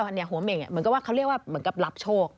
เขาเรียกว่าเหมือนกับหัวเหม่งเขาเรียกว่าเหมือนกับรับโชค